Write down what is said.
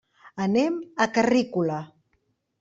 Anem a Carrícola.